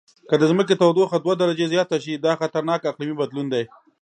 که د ځمکې تودوخه دوه درجې زیاته شي، دا خطرناک اقلیمي بدلون دی.